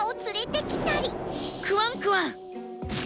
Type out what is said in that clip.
「クワンックワンッ」？